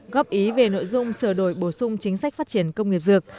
góp ý về nội dung sửa đổi bổ sung chính sách phát triển công nghiệp dược